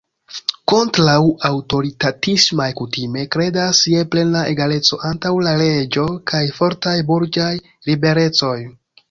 Kontraŭ-aŭtoritatismaj kutime kredas je plena egaleco antaŭ la leĝo kaj fortaj burĝaj liberecoj.